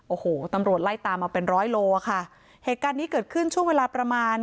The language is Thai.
โอ้โหตำรวจไล่ตามมาเป็นร้อยโลอ่ะค่ะเหตุการณ์นี้เกิดขึ้นช่วงเวลาประมาณ